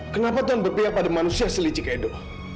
kenapa tuh berpihak pada manusia selicik edo